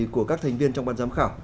của các thành viên trong ban giám khảo